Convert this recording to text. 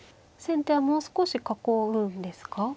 先手はもう少し囲うんですか。